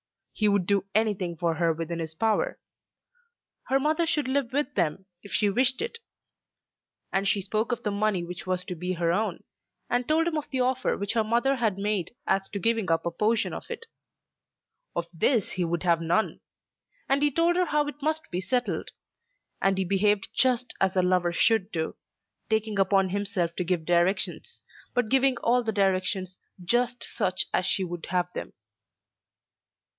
He would do anything for her within his power. Her mother should live with them if she wished it. And she spoke of the money which was to be her own, and told him of the offer which her mother had made as to giving up a portion of it. Of this he would have none. And he told her how it must be settled. And he behaved just as a lover should do, taking upon himself to give directions, but giving all the directions just such as she would have them.